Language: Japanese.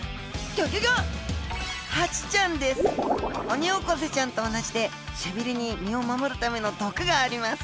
オニオコゼちゃんと同じで背びれに身を守るための毒があります。